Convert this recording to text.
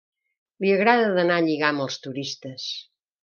Li agrada d'anar a lligar amb els turistes.